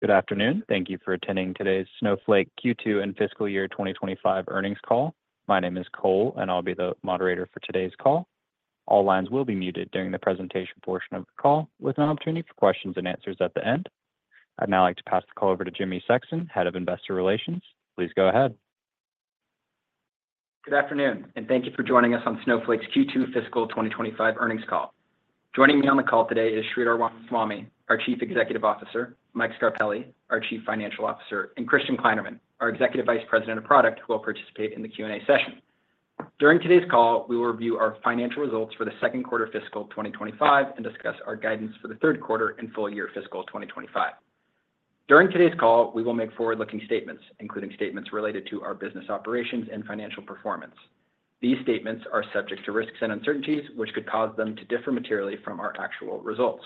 Good afternoon. Thank you for attending today's Snowflake Q2 and fiscal year 2025 earnings call. My name is Cole, and I'll be the moderator for today's call. All lines will be muted during the presentation portion of the call, with an opportunity for questions and answers at the end. I'd now like to pass the call over to Jimmy Sexton, Head of Investor Relations. Please go ahead. Good afternoon, and thank you for joining us on Snowflake's Q2 fiscal 2025 earnings call. Joining me on the call today is Sridhar Ramaswamy, our Chief Executive Officer, Mike Scarpelli, our Chief Financial Officer, and Christian Kleinerman, our Executive Vice President of Product, who will participate in the Q&A session. During today's call, we will review our financial results for the second quarter fiscal 2025, and discuss our guidance for the third quarter and full year fiscal 2025. During today's call, we will make forward-looking statements, including statements related to our business operations and financial performance. These statements are subject to risks and uncertainties, which could cause them to differ materially from our actual results.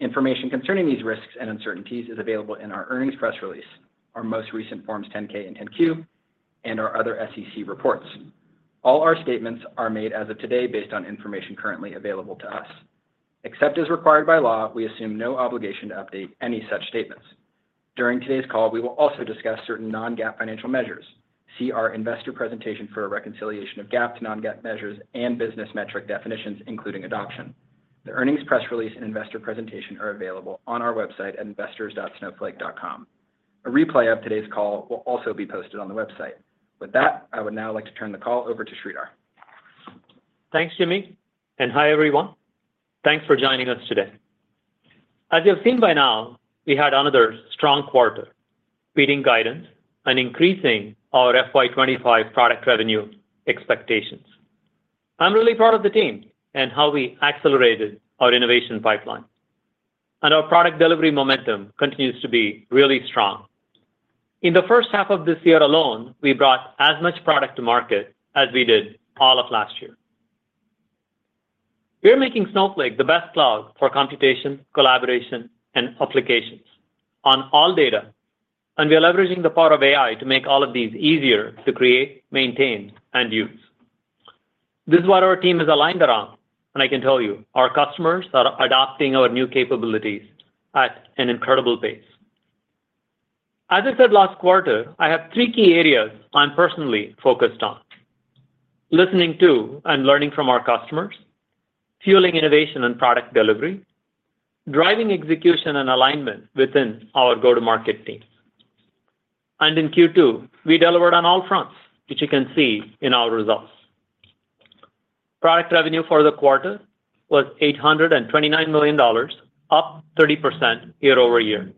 Information concerning these risks and uncertainties is available in our earnings press release, our most recent Forms 10-K and 10-Q, and our other SEC reports. All our statements are made as of today, based on information currently available to us. Except as required by law, we assume no obligation to update any such statements. During today's call, we will also discuss certain non-GAAP financial measures. See our investor presentation for a reconciliation of GAAP to non-GAAP measures and business metric definitions, including adoption. The earnings press release and investor presentation are available on our website at investors.snowflake.com. A replay of today's call will also be posted on the website. With that, I would now like to turn the call over to Sridhar. Thanks, Jimmy, and hi, everyone. Thanks for joining us today. As you've seen by now, we had another strong quarter, beating guidance and increasing our FY 2025 product revenue expectations. I'm really proud of the team and how we accelerated our innovation pipeline, and our product delivery momentum continues to be really strong. In the first half of this year alone, we brought as much product to market as we did all of last year. We are making Snowflake the best cloud for computation, collaboration, and applications on all data, and we are leveraging the power of AI to make all of these easier to create, maintain, and use. This is what our team is aligned around, and I can tell you, our customers are adopting our new capabilities at an incredible pace. As I said last quarter, I have three key areas I'm personally focused on: listening to and learning from our customers, fueling innovation and product delivery, driving execution and alignment within our go-to-market teams, and in Q2, we delivered on all fronts, which you can see in our results. Product revenue for the quarter was $829 million, up 30% year-over-year.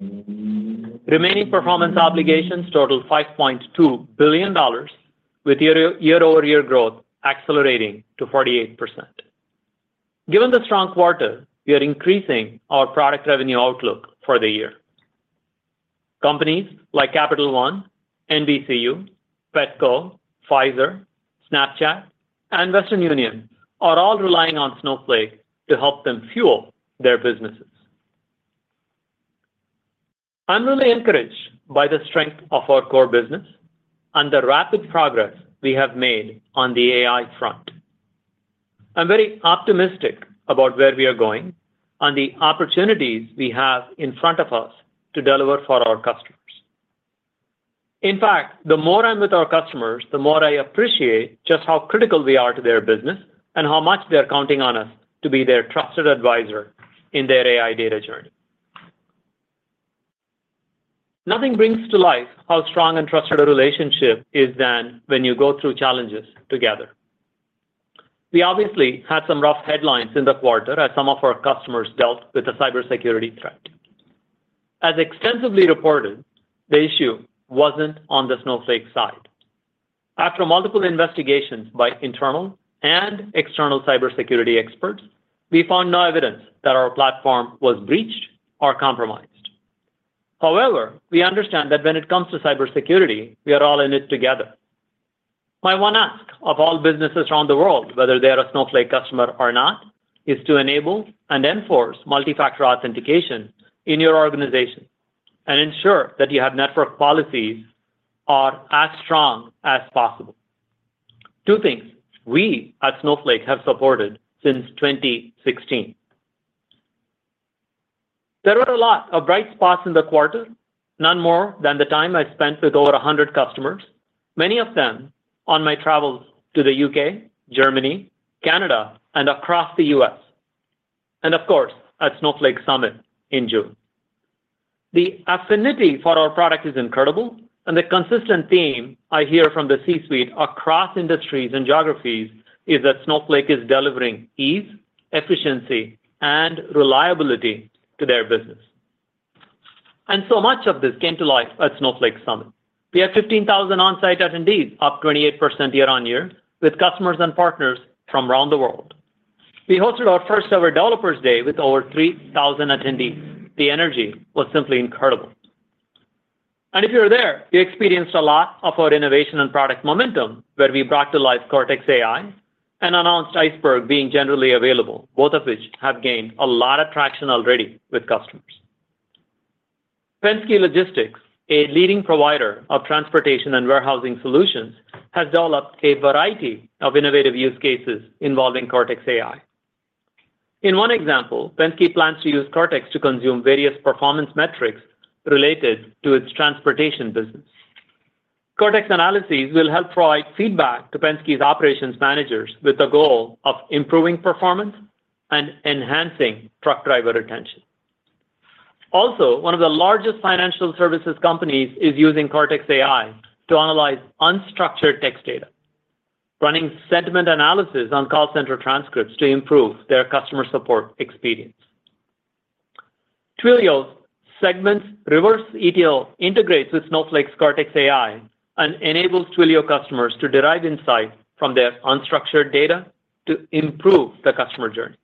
Remaining performance obligations totaled $5.2 billion, with year-over-year growth accelerating to 48%. Given the strong quarter, we are increasing our product revenue outlook for the year. Companies like Capital One, NBCU, Petco, Pfizer, Snapchat, and Western Union are all relying on Snowflake to help them fuel their businesses. I'm really encouraged by the strength of our core business and the rapid progress we have made on the AI front. I'm very optimistic about where we are going and the opportunities we have in front of us to deliver for our customers. In fact, the more I'm with our customers, the more I appreciate just how critical we are to their business and how much they're counting on us to be their trusted advisor in their AI data journey. Nothing brings to life how strong and trusted a relationship is than when you go through challenges together. We obviously had some rough headlines in the quarter as some of our customers dealt with a cybersecurity threat. As extensively reported, the issue wasn't on the Snowflake side. After multiple investigations by internal and external cybersecurity experts, we found no evidence that our platform was breached or compromised. However, we understand that when it comes to cybersecurity, we are all in it together. My one ask of all businesses around the world, whether they are a Snowflake customer or not, is to enable and enforce multi-factor authentication in your organization and ensure that you have network policies are as strong as possible. Two things we at Snowflake have supported since 2016. There were a lot of bright spots in the quarter, none more than the time I spent with over a hundred customers, many of them on my travels to the U.K., Germany, Canada, and across the U.S., and of course, at Snowflake Summit in June. The affinity for our product is incredible, and the consistent theme I hear from the C-suite across industries and geographies is that Snowflake is delivering ease, efficiency, and reliability to their business. And so much of this came to light at Snowflake Summit. We had 15,000 on-site attendees, up 28% year-on-year, with customers and partners from around the world. We hosted our first-ever Developers Day with over 3,000 attendees. The energy was simply incredible, and if you were there, you experienced a lot of our innovation and product momentum, where we brought to life Cortex AI and announced Iceberg being generally available, both of which have gained a lot of traction already with customers. Penske Logistics, a leading provider of transportation and warehousing solutions, has developed a variety of innovative use cases involving Cortex AI.... In one example, Penske plans to use Cortex to consume various performance metrics related to its transportation business. Cortex analyses will help provide feedback to Penske's operations managers, with the goal of improving performance and enhancing truck driver retention. Also, one of the largest financial services companies is using Cortex AI to analyze unstructured text data, running sentiment analysis on call center transcripts to improve their customer support experience. Twilio Segment's reverse ETL integrates with Snowflake's Cortex AI and enables Twilio customers to derive insights from their unstructured data to improve the customer journey,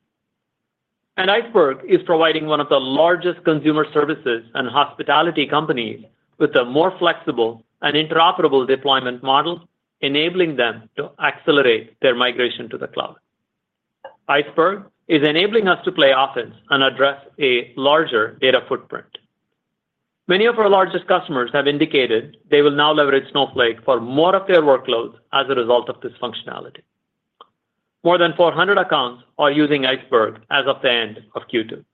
and Iceberg is providing one of the largest consumer services and hospitality companies with a more flexible and interoperable deployment model, enabling them to accelerate their migration to the cloud. Iceberg is enabling us to play offense and address a larger data footprint. Many of our largest customers have indicated they will now leverage Snowflake for more of their workloads as a result of this functionality. More than 400 accounts are using Iceberg as of the end of Q2.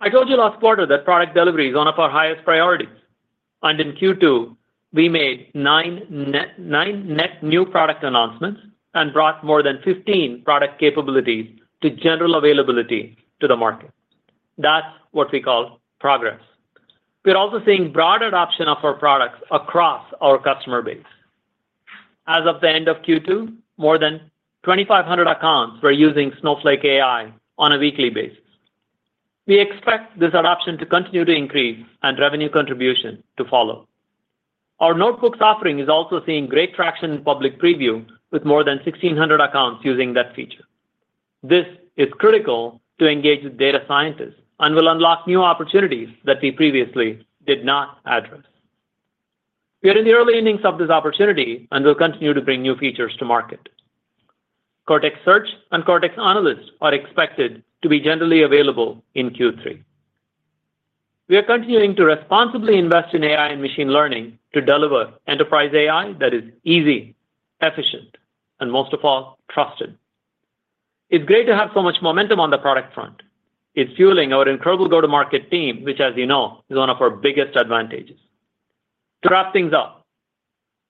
I told you last quarter that product delivery is one of our highest priorities, and in Q2, we made nine net new product announcements and brought more than 15 product capabilities to general availability to the market. That's what we call progress. We're also seeing broad adoption of our products across our customer base. As of the end of Q2, more than 2,500 accounts were using Snowflake AI on a weekly basis. We expect this adoption to continue to increase and revenue contribution to follow. Our Notebooks offering is also seeing great traction in public preview, with more than 1,600 accounts using that feature. This is critical to engage with data scientists and will unlock new opportunities that we previously did not address. We are in the early innings of this opportunity, and we'll continue to bring new features to market. Cortex Search and Cortex Analyst are expected to be generally available in Q3. We are continuing to responsibly invest in AI and machine learning to deliver enterprise AI that is easy, efficient, and most of all, trusted. It's great to have so much momentum on the product front. It's fueling our incredible go-to-market team, which, as you know, is one of our biggest advantages. To wrap things up,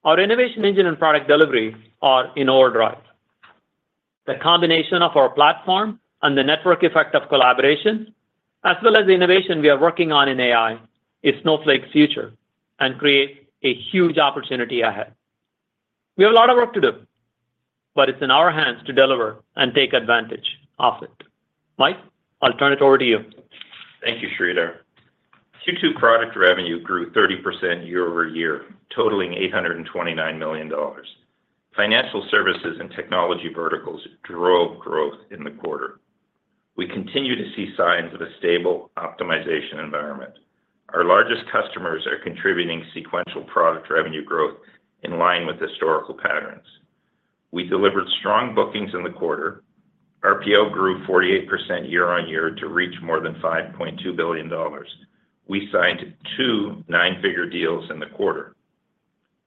our innovation engine and product delivery are in overdrive. The combination of our platform and the network effect of collaboration, as well as the innovation we are working on in AI, is Snowflake's future, and creates a huge opportunity ahead. We have a lot of work to do, but it's in our hands to deliver and take advantage of it. Mike, I'll turn it over to you. Thank you, Sridhar. Q2 product revenue grew 30% year-over-year, totaling $829 million. Financial services and technology verticals drove growth in the quarter. We continue to see signs of a stable optimization environment. Our largest customers are contributing sequential product revenue growth in line with historical patterns. We delivered strong bookings in the quarter. Our RPO grew 48% year-on-year to reach more than $5.2 billion. We signed two nine-figure deals in the quarter.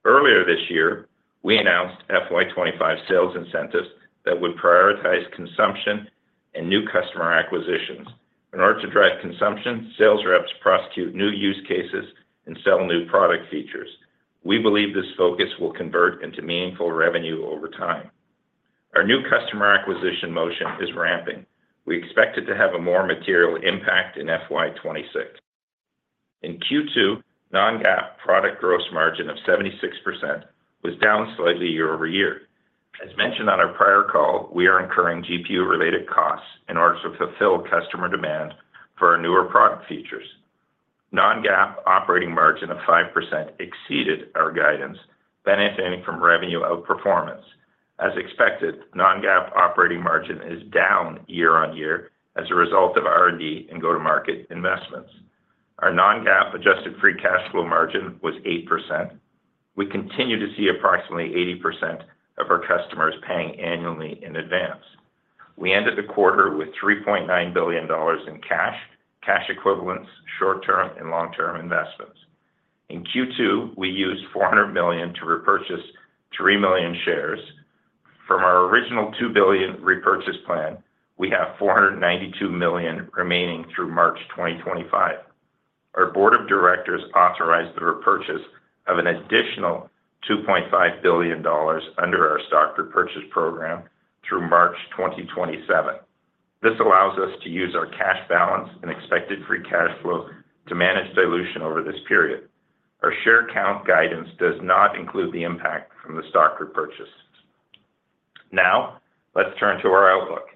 Earlier this year, we announced FY 2025 sales incentives that would prioritize consumption and new customer acquisitions. In order to drive consumption, sales reps prosecute new use cases and sell new product features. We believe this focus will convert into meaningful revenue over time. Our new customer acquisition motion is ramping. We expect it to have a more material impact in FY 2026. In Q2, non-GAAP product gross margin of 76% was down slightly year-over-year. As mentioned on our prior call, we are incurring GPU-related costs in order to fulfill customer demand for our newer product features. Non-GAAP operating margin of 5% exceeded our guidance, benefiting from revenue outperformance. As expected, non-GAAP operating margin is down year-on-year as a result of R&D and go-to-market investments. Our non-GAAP adjusted free cash flow margin was 8%. We continue to see approximately 80% of our customers paying annually in advance. We ended the quarter with $3.9 billion in cash, cash equivalents, short-term, and long-term investments. In Q2, we used $400 million to repurchase 3 million shares. From our original $2 billion repurchase plan, we have $492 million remaining through March 2025. Our board of directors authorized the repurchase of an additional $2.5 billion under our stock repurchase program through March 2027. This allows us to use our cash balance and expected free cash flow to manage dilution over this period. Our share count guidance does not include the impact from the stock repurchases. Now, let's turn to our outlook.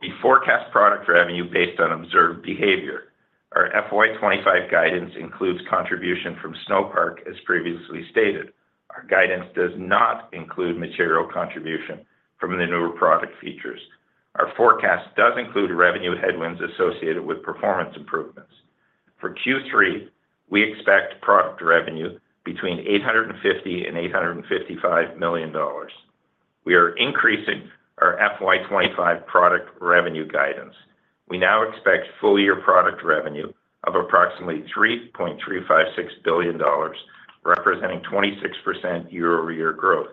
We forecast product revenue based on observed behavior. Our FY 2025 guidance includes contribution from Snowpark, as previously stated. Our guidance does not include material contribution from the newer product features. Our forecast does include revenue headwinds associated with performance improvements. For Q3, we expect product revenue between $850 million and $855 million. We are increasing our FY 2025 product revenue guidance. We now expect full-year product revenue of approximately $3.356 billion, representing 26% year-over-year growth.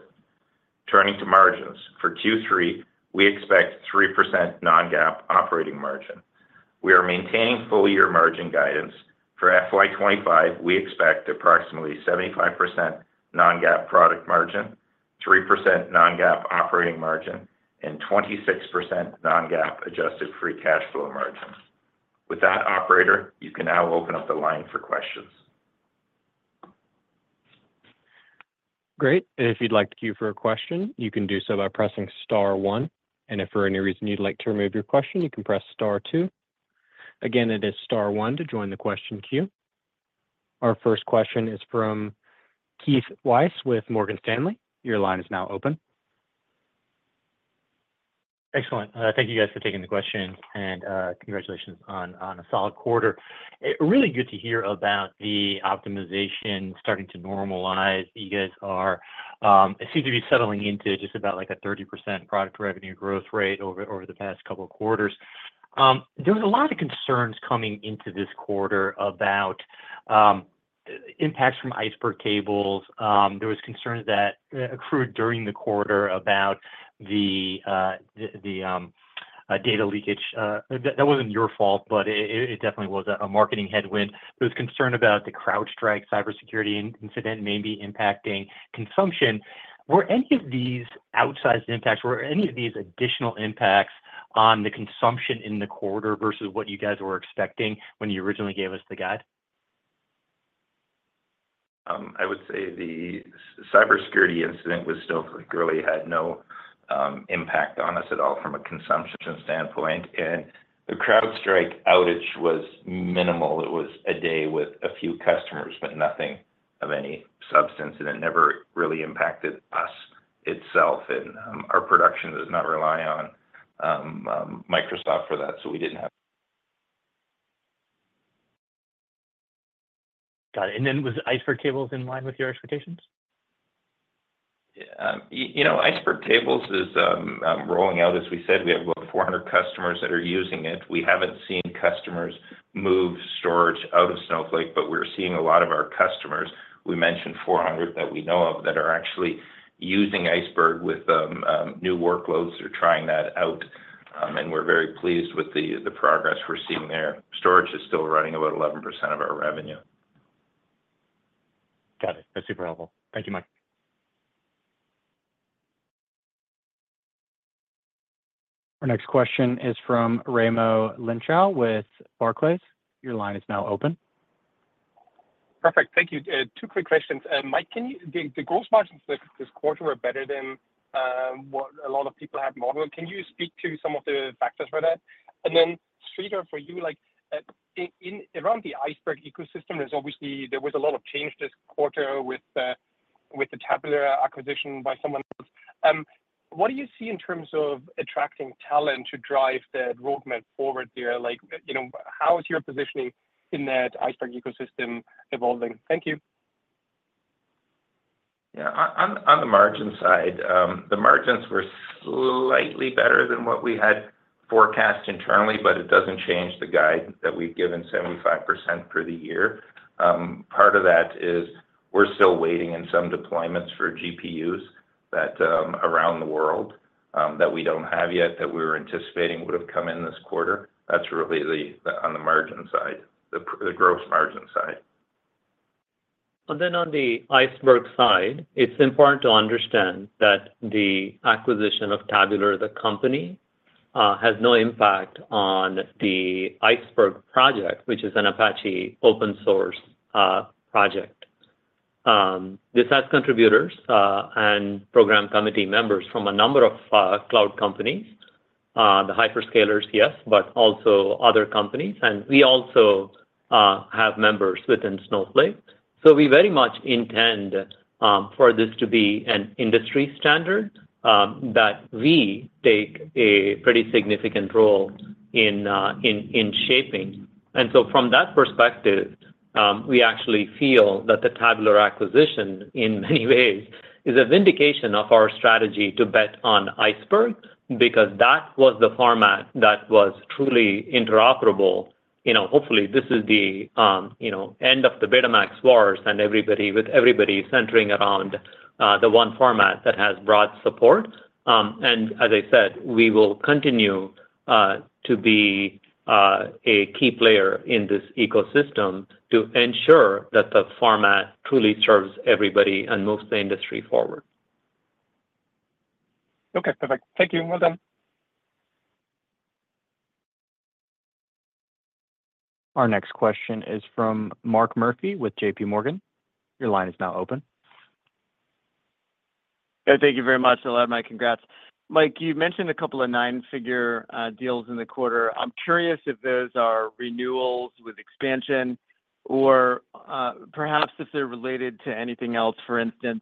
Turning to margins, for Q3, we expect 3% non-GAAP operating margin. We are maintaining full-year margin guidance. For FY 2025, we expect approximately 75% non-GAAP product margin, 3% non-GAAP operating margin, and 26% non-GAAP adjusted free cash flow margins. With that, operator, you can now open up the line for questions. Great. If you'd like to queue for a question, you can do so by pressing star one, and if for any reason you'd like to remove your question, you can press star two. Again, it is star one to join the question queue. Our first question is from Keith Weiss with Morgan Stanley. Your line is now open. Excellent. Thank you, guys, for taking the question, and congratulations on a solid quarter. It really good to hear about the optimization starting to normalize. You guys are seem to be settling into just about, like, a 30% product revenue growth rate over the past couple of quarters. There was a lot of concerns coming into this quarter about impacts from Iceberg Tables. There was concerns that accrued during the quarter about the data leakage. That wasn't your fault, but it definitely was a marketing headwind. There was concern about the CrowdStrike cybersecurity incident may be impacting consumption. Were any of these outsized impacts, were any of these additional impacts on the consumption in the quarter versus what you guys were expecting when you originally gave us the guide? I would say the cybersecurity incident was still really had no impact on us at all from a consumption standpoint, and the CrowdStrike outage was minimal. It was a day with a few customers, but nothing of any substance, and it never really impacted us itself, and our production does not rely on Microsoft for that, so we didn't have- Got it. And then, was Iceberg Tables in line with your expectations? Yeah. You know, Iceberg Tables is rolling out. As we said, we have about 400 customers that are using it. We haven't seen customers move storage out of Snowflake, but we're seeing a lot of our customers. We mentioned 400 that we know of that are actually using Iceberg with new workloads. They're trying that out, and we're very pleased with the progress we're seeing there. Storage is still running about 11% of our revenue. Got it. That's super helpful. Thank you, Mike. Our next question is from Raimo Lenschow with Barclays. Your line is now open. Perfect. Thank you. Two quick questions. Mike, can you... The gross margins this quarter were better than what a lot of people had modeled. Can you speak to some of the factors for that? And then, Sridhar, for you, like, in around the Iceberg ecosystem, there's obviously a lot of change this quarter with the Tabular acquisition by someone else. What do you see in terms of attracting talent to drive the roadmap forward there? Like, you know, how is your positioning in that Iceberg ecosystem evolving? Thank you. Yeah, on the margin side, the margins were slightly better than what we had forecast internally, but it doesn't change the guide that we've given: 75% for the year. Part of that is we're still waiting in some deployments for GPUs that, around the world, that we don't have yet, that we're anticipating would have come in this quarter. That's really the on the margin side, the gross margin side. And then on the Iceberg side, it's important to understand that the acquisition of Tabular, the company, has no impact on the Iceberg project, which is an Apache open source project. This has contributors and program committee members from a number of cloud companies. The hyperscalers, yes, but also other companies, and we also have members within Snowflake. So we very much intend for this to be an industry standard that we take a pretty significant role in shaping. And so from that perspective, we actually feel that the Tabular acquisition, in many ways, is a vindication of our strategy to bet on Iceberg, because that was the format that was truly interoperable. You know, hopefully, this is the end of the Betamax wars and everybody centering around the one format that has broad support, and as I said, we will continue to be a key player in this ecosystem to ensure that the format truly serves everybody and moves the industry forward. Okay. Perfect. Thank you, and well done. Our next question is from Mark Murphy with JPMorgan. Your line is now open. Thank you very much. Hello, Mike, congrats. Mike, you mentioned a couple of nine-figure deals in the quarter. I'm curious if those are renewals with expansion or, perhaps if they're related to anything else. For instance,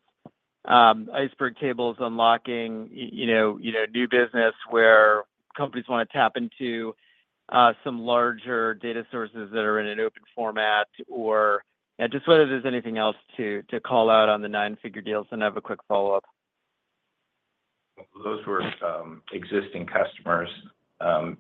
Iceberg Tables unlocking, you know, new business where companies wanna tap into some larger data sources that are in an open format or. Just whether there's anything else to call out on the nine-figure deals, and I have a quick follow-up.... Those were, existing customers,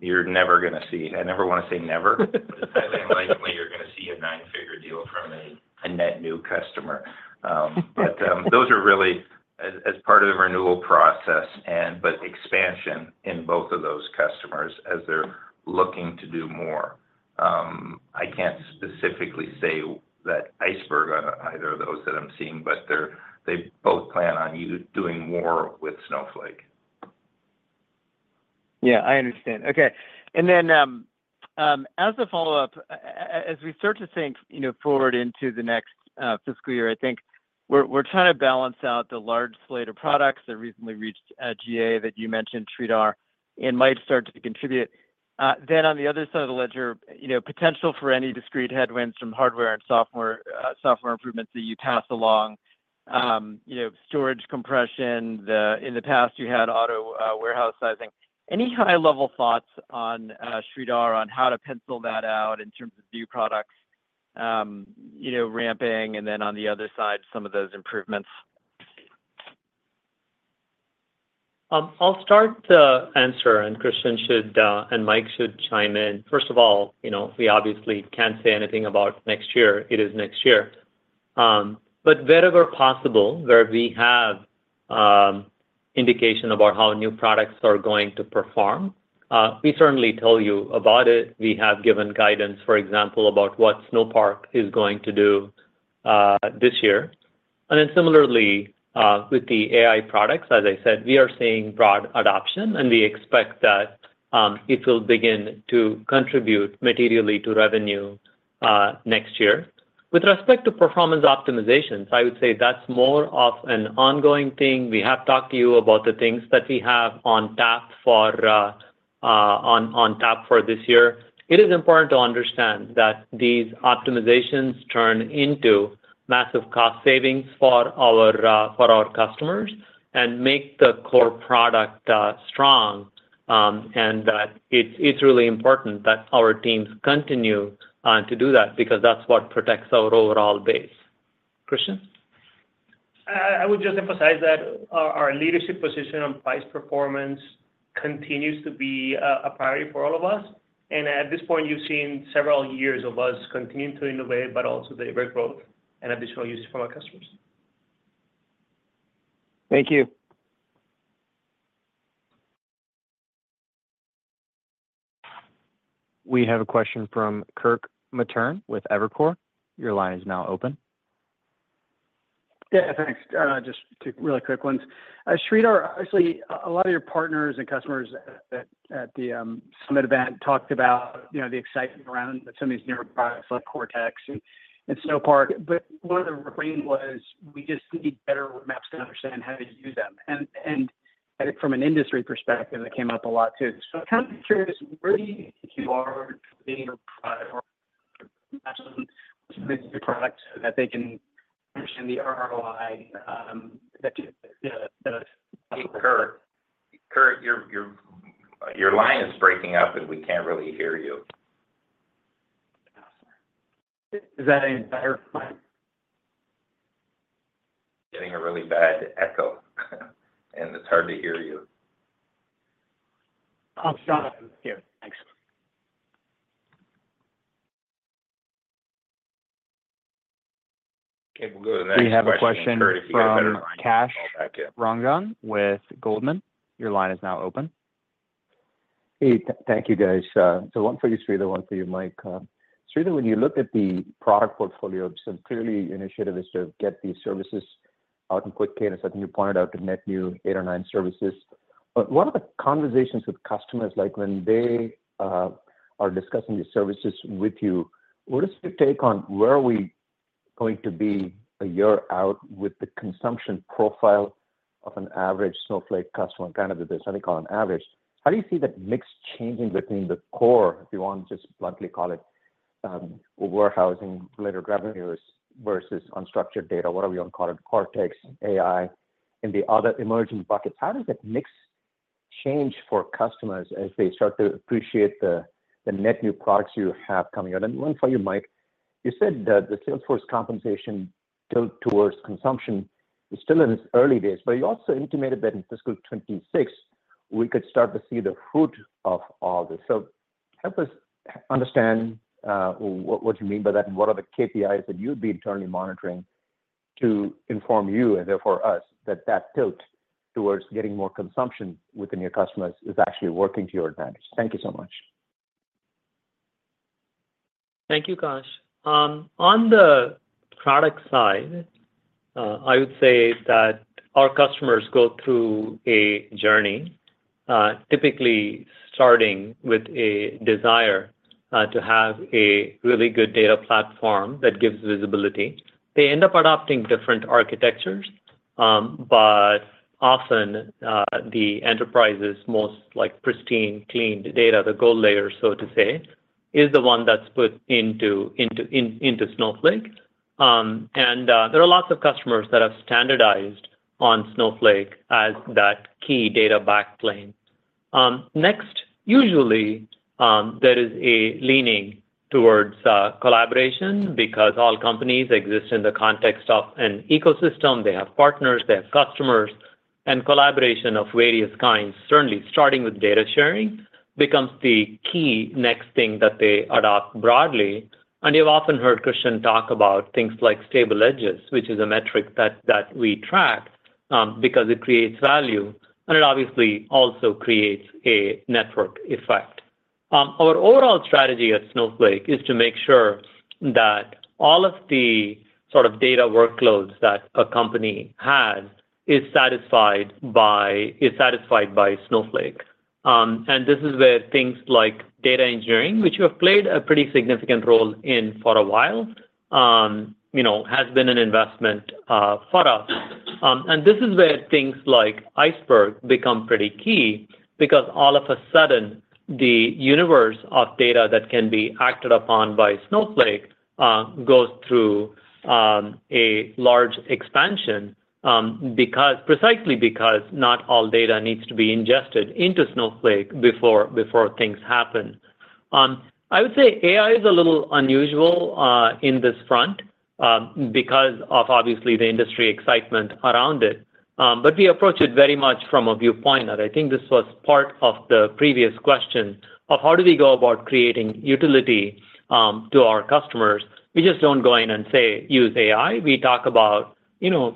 you're never gonna see. I never wanna say never, but it's unlikely you're gonna see a nine-figure deal from a net new customer. But, those are really as part of the renewal process, and but expansion in both of those customers as they're looking to do more. I can't specifically say that Iceberg on either of those that I'm seeing, but they both plan on doing more with Snowflake. Yeah, I understand. Okay. And then, as a follow-up, as we start to think, you know, forward into the next, fiscal year, I think we're trying to balance out the large slate of products that recently reached, GA, that you mentioned, Sridhar, and might start to contribute. Then on the other side of the ledger, you know, potential for any discrete headwinds from hardware and software improvements that you pass along, you know, storage compression. In the past, you had auto warehouse sizing. Any high-level thoughts on, Sridhar, on how to pencil that out in terms of new products, you know, ramping, and then on the other side, some of those improvements? I'll start to answer, and Christian should, and Mike should chime in. First of all, you know, we obviously can't say anything about next year. It is next year, but wherever possible, where we have, indication about how new products are going to perform, we certainly tell you about it. We have given guidance, for example, about what Snowpark is going to do, this year, and then similarly, with the AI products, as I said, we are seeing broad adoption, and we expect that, it will begin to contribute materially to revenue, next year. With respect to performance optimizations, I would say that's more of an ongoing thing. We have talked to you about the things that we have on tap for this year. It is important to understand that these optimizations turn into massive cost savings for our customers and make the core product strong, and that it's really important that our teams continue to do that because that's what protects our overall base. Christian? I would just emphasize that our leadership position on price performance continues to be a priority for all of us. And at this point, you've seen several years of us continuing to innovate, but also deliver growth and additional usage from our customers. Thank you. We have a question from Kirk Materne with Evercore. Your line is now open. Yeah, thanks. Just two really quick ones. Sridhar, obviously, a lot of your partners and customers at the summit event talked about, you know, the excitement around some of these newer products like Cortex and Snowpark. But one of the refrains was, "We just need better roadmaps to understand how to use them." And I think from an industry perspective, that came up a lot, too. So I'm kind of curious, where do you think you are with your product roadmap, so that they can understand the ROI, that the- Hey, Kirk. Kirk, your line is breaking up, and we can't really hear you. Oh, sorry. Is that any better? Getting a really bad echo, and it's hard to hear you. I'm sorry. Here, thanks. Okay, we'll go to the next question. We have a question from- Kirk, if you get a better line, call back in.... Kash Rangan with Goldman. Your line is now open. Hey, thank you, guys. One for you, Sridhar, one for you, Mike. Sridhar, when you look at the product portfolio, clearly your initiative is to get these services out in quick cadence. I think you pointed out net new eight or nine services. But what are the conversations with customers like when they are discussing these services with you? What is your take on where we are going to be a year out with the consumption profile of an average Snowflake customer, and kind of if there's anything on average? How do you see that mix changing between the core, if you want to just bluntly call it, warehousing related revenues versus unstructured data, whatever you want to call it, Cortex, AI, and the other emerging buckets? How does that mix change for customers as they start to appreciate the net new products you have coming out? And one for you, Mike. You said that the Salesforce compensation tilt towards consumption is still in its early days, but you also intimated that in fiscal 2026, we could start to see the fruit of all this. So help us understand what you mean by that, and what are the KPIs that you'd be internally monitoring to inform you, and therefore us, that that tilt towards getting more consumption within your customers is actually working to your advantage? Thank you so much. Thank you, Kash. On the product side, I would say that our customers go through a journey, typically starting with a desire to have a really good data platform that gives visibility. They end up adopting different architectures, but often the enterprise's most like pristine, cleaned data, the gold layer, so to say, is the one that's put into Snowflake, and there are lots of customers that have standardized on Snowflake as that key data backplane. Next, usually there is a leaning towards collaboration because all companies exist in the context of an ecosystem. They have partners, they have customers, and collaboration of various kinds, certainly starting with data sharing, becomes the key next thing that they adopt broadly. You've often heard Christian talk about things like stable edges, which is a metric that we track, because it creates value, and it obviously also creates a network effect. Our overall strategy at Snowflake is to make sure that all of the sort of data workloads that a company has is satisfied by Snowflake. This is where things like data engineering, which you have played a pretty significant role in for a while, you know, has been an investment for us. This is where things like Iceberg become pretty key because all of a sudden, the universe of data that can be acted upon by Snowflake goes through a large expansion, because, precisely because not all data needs to be ingested into Snowflake before things happen. I would say AI is a little unusual in this front because of obviously the industry excitement around it, but we approach it very much from a viewpoint that I think this was part of the previous question of how do we go about creating utility to our customers? We just don't go in and say, "Use AI." We talk about, you know,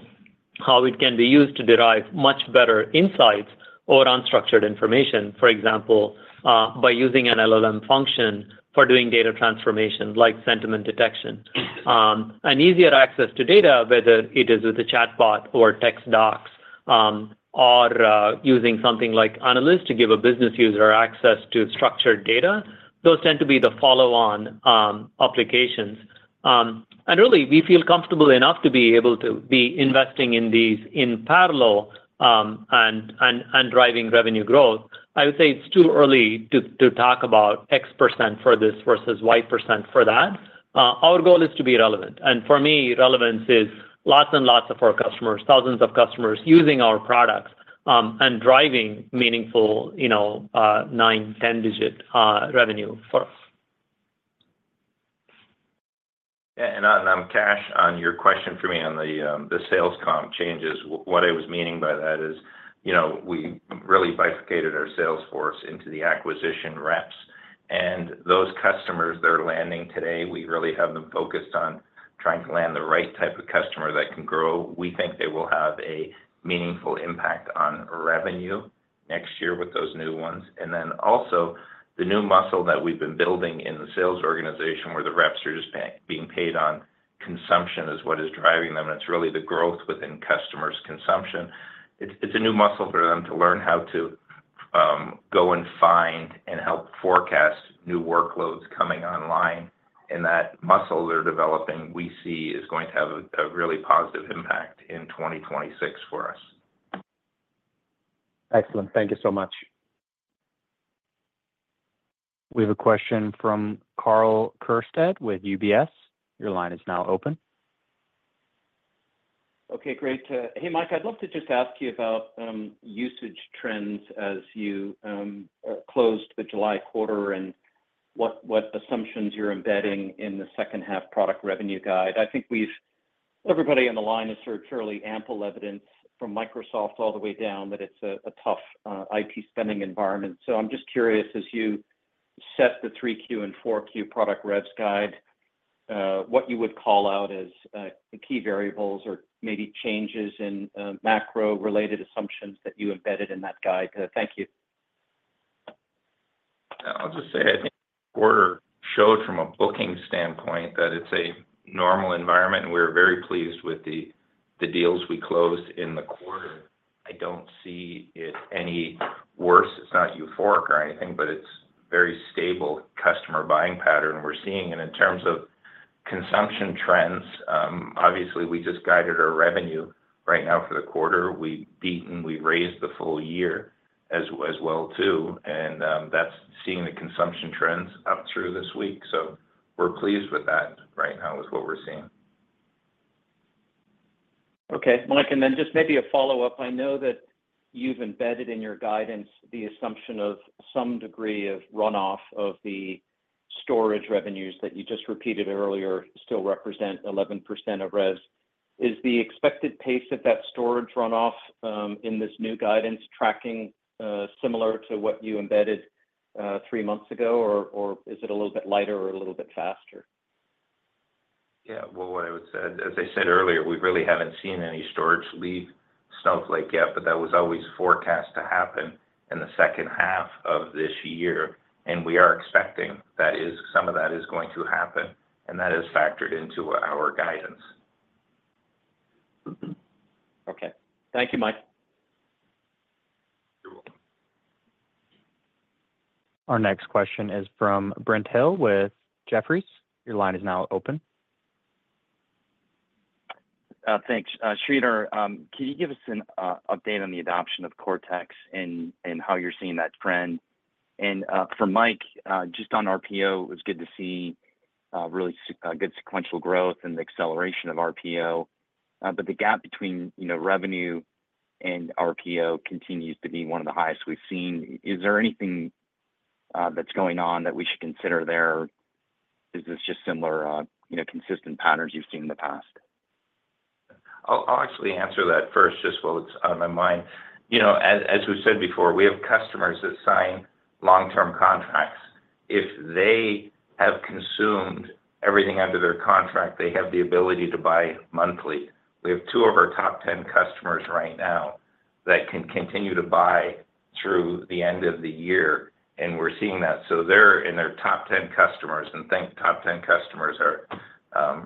how it can be used to derive much better insights or unstructured information, for example, by using an LLM function for doing data transformations, like sentiment detection. An easier access to data, whether it is with a chatbot or text docs, or using something like Analyst to give a business user access to structured data, those tend to be the follow-on applications. And really, we feel comfortable enough to be able to be investing in these in parallel, and driving revenue growth. I would say it's too early to talk about X percent for this versus Y percent for that. Our goal is to be relevant, and for me, relevance is lots and lots of our customers, thousands of customers using our products, and driving meaningful, you know, nine, ten-digit revenue for us. Yeah, and on, Kash, on your question for me on the, the sales comp changes, what I was meaning by that is, you know, we really bifurcated our sales force into the acquisition reps. And those customers that are landing today, we really have them focused on trying to land the right type of customer that can grow. We think they will have a meaningful impact on revenue next year with those new ones. And then also, the new muscle that we've been building in the sales organization, where the reps are just being paid on consumption, is what is driving them, and it's really the growth within customers' consumption. It's a new muscle for them to learn how to go and find and help forecast new workloads coming online, and that muscle they're developing, we see is going to have a really positive impact in 2026 for us. Excellent. Thank you so much. We have a question from Karl Keirstead with UBS. Your line is now open. Okay, great. Hey, Mike, I'd love to just ask you about usage trends as you closed the July quarter, and what assumptions you're embedding in the second half product revenue guide. I think everybody on the line has heard fairly ample evidence from Microsoft all the way down, that it's a tough IT spending environment. So I'm just curious, as you set the 3Q and 4Q product revs guide, what you would call out as the key variables or maybe changes in macro-related assumptions that you embedded in that guide. Thank you. I'll just say, I think the quarter showed from a booking standpoint that it's a normal environment, and we're very pleased with the deals we closed in the quarter. I don't see it any worse. It's not euphoric or anything, but it's very stable customer buying pattern we're seeing. And in terms of consumption trends, obviously, we just guided our revenue right now for the quarter. We've beaten, we've raised the full year as well, too, and that's seeing the consumption trends up through this week. So we're pleased with that right now, is what we're seeing. Okay, Mike, and then just maybe a follow-up. I know that you've embedded in your guidance the assumption of some degree of runoff of the storage revenues that you just repeated earlier, still represent 11% of revs. Is the expected pace of that storage runoff, in this new guidance tracking, similar to what you embedded, three months ago, or is it a little bit lighter or a little bit faster? Yeah. As I said earlier, we really haven't seen any storage leave Snowflake yet, but that was always forecast to happen in the second half of this year, and we are expecting that some of that is going to happen, and that is factored into our guidance. Mm-hmm. Okay. Thank you, Mike. You're welcome. Our next question is from Brent Thill, with Jefferies. Your line is now open. Thanks. Sridhar, can you give us an update on the adoption of Cortex and how you're seeing that trend?... And, for Mike, just on RPO, it was good to see really good sequential growth and the acceleration of RPO. But the gap between, you know, revenue and RPO continues to be one of the highest we've seen. Is there anything that's going on that we should consider there? Is this just similar, you know, consistent patterns you've seen in the past? I'll actually answer that first, just while it's on my mind. You know, as we've said before, we have customers that sign long-term contracts. If they have consumed everything under their contract, they have the ability to buy monthly. We have two of our top 10 customers right now that can continue to buy through the end of the year, and we're seeing that. So they're in their top ten customers, and think top ten customers are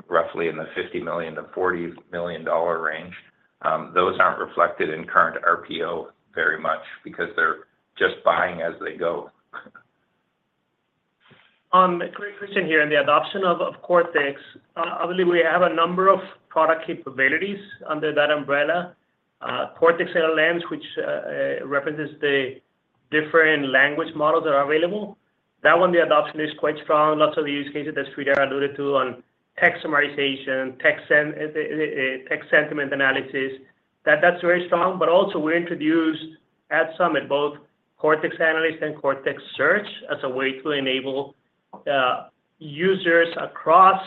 roughly in the $50 million-$40 million range. Those aren't reflected in current RPO very much because they're just buying as they go. Christian here. In the adoption of Cortex, I believe we have a number of product capabilities under that umbrella. Cortex LLMs, which represents the different language models that are available. That one, the adoption is quite strong. Lots of the use cases that Sridhar alluded to on text summarization, text sentiment analysis, that's very strong. But also, we introduced at Summit both Cortex Analyst and Cortex Search as a way to enable users across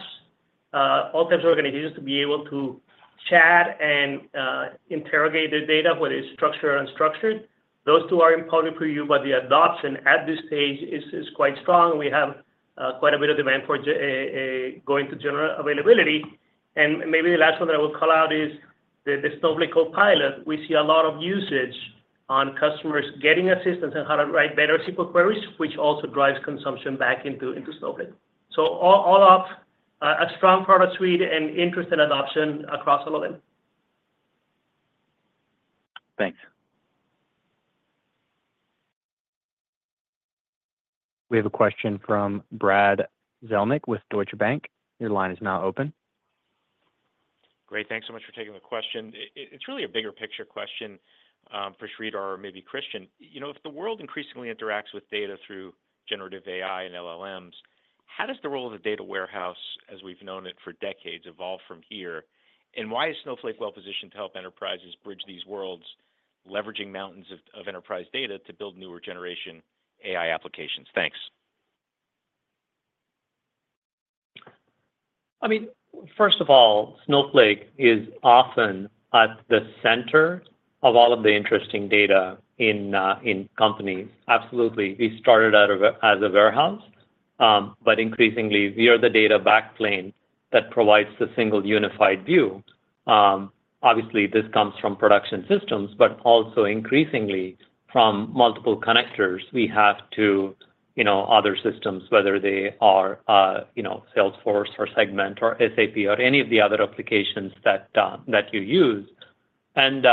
all types of organizations to be able to chat and interrogate the data, whether it's structured or unstructured. Those two are in public preview, but the adoption at this stage is quite strong. We have quite a bit of demand for going to general availability. And maybe the last one that I will call out is the Snowflake Copilot. We see a lot of usage on customers getting assistance on how to write better SQL queries, which also drives consumption back into Snowflake. So all in all, a strong product suite and interest in adoption across all of them. Thanks. We have a question from Brad Zelnick with Deutsche Bank. Your line is now open. Great. Thanks so much for taking the question. It's really a bigger picture question for Sridhar or maybe Christian. You know, if the world increasingly interacts with data through generative AI and LLMs, how does the role of the data warehouse, as we've known it for decades, evolve from here? And why is Snowflake well-positioned to help enterprises bridge these worlds, leveraging mountains of enterprise data to build newer generation AI applications? Thanks. I mean, first of all, Snowflake is often at the center of all of the interesting data in, in companies. Absolutely, we started out as a warehouse, but increasingly, we are the data backplane that provides the single unified view. Obviously, this comes from production systems, but also increasingly from multiple connectors we have to, you know, other systems, whether they are, you know, Salesforce or Segment or SAP or any of the other applications that, that you use. And,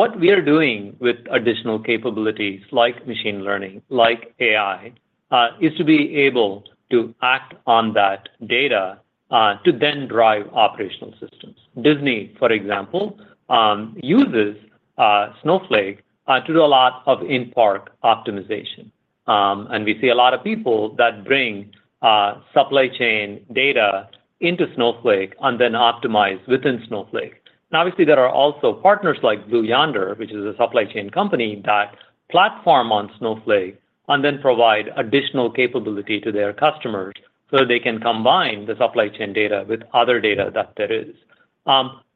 what we are doing with additional capabilities like machine learning, like AI, is to be able to act on that data, to then drive operational systems. Disney, for example, uses Snowflake to do a lot of in-park optimization. And we see a lot of people that bring supply chain data into Snowflake and then optimize within Snowflake. And obviously, there are also partners like Blue Yonder, which is a supply chain company, that platform on Snowflake, and then provide additional capability to their customers, so they can combine the supply chain data with other data that there is.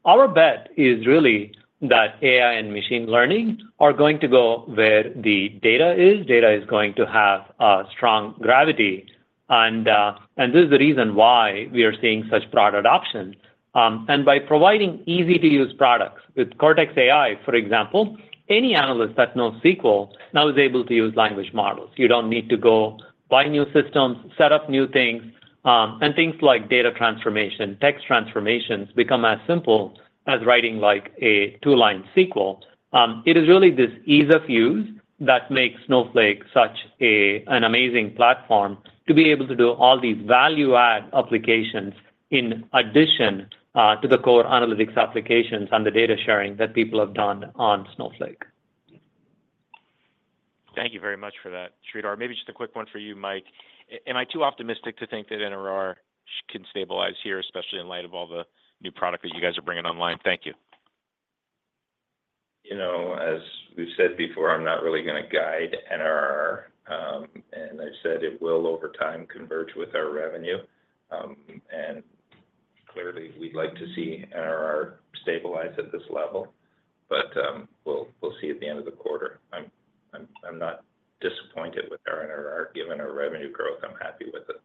Our bet is really that AI and machine learning are going to go where the data is. Data is going to have strong gravity, and this is the reason why we are seeing such broad adoption. And by providing easy-to-use products, with Cortex AI, for example, any analyst that knows SQL now is able to use language models. You don't need to go buy new systems, set up new things, and things like data transformation, text transformations, become as simple as writing, like, a two-line SQL. It is really this ease of use that makes Snowflake such an amazing platform to be able to do all these value-add applications, in addition to the core analytics applications and the data sharing that people have done on Snowflake. Thank you very much for that, Sridhar. Maybe just a quick one for you, Mike. Am I too optimistic to think that NRR can stabilize here, especially in light of all the new product that you guys are bringing online? Thank you. You know, as we've said before, I'm not really going to guide NRR, and I've said it will, over time, converge with our revenue. And clearly, we'd like to see NRR stabilize at this level, but we'll see at the end of the quarter. I'm not disappointed with our NRR. Given our revenue growth, I'm happy with it.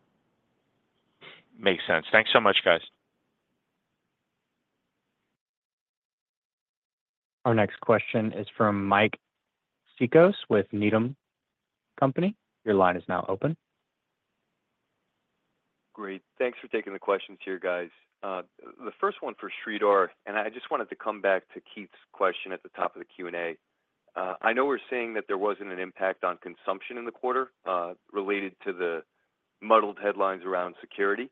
Makes sense. Thanks so much, guys. Our next question is from Mike Cikos with Needham & Company. Your line is now open. Great, thanks for taking the questions here, guys. The first one for Sridhar, and I just wanted to come back to Keith's question at the top of the Q&A. I know we're saying that there wasn't an impact on consumption in the quarter, related to the muddled headlines around security.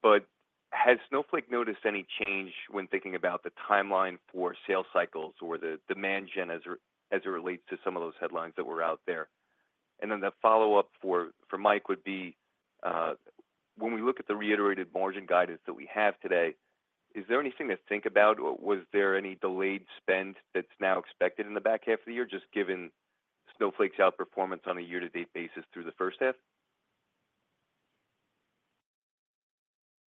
But has Snowflake noticed any change when thinking about the timeline for sales cycles or the demand gen, as it relates to some of those headlines that were out there? And then the follow-up for Mike would be, when we look at the reiterated margin guidance that we have today, is there anything to think about, or was there any delayed spend that's now expected in the back half of the year, just given Snowflake's outperformance on a year-to-date basis through the first half?